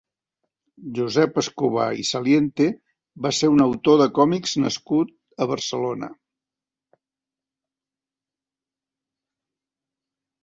Josep Escobar i Saliente va ser un autor de còmics nascut a Barcelona.